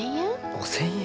５，０００円？